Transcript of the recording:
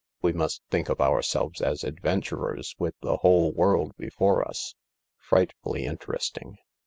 We must think of ourselves as adventurers with the whole world before us. Frightfully interesting."